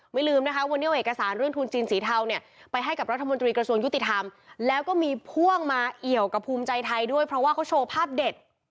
ลืมนะคะวันนี้เอาเอกสารเรื่องทุนจีนสีเทาเนี่ยไปให้กับรัฐมนตรีกระทรวงยุติธรรมแล้วก็มีพ่วงมาเอี่ยวกับภูมิใจไทยด้วยเพราะว่าเขาโชว์ภาพเด็ด